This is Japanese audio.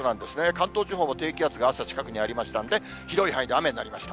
関東地方も低気圧が朝、近くにありましたんで、広い範囲で雨になりました。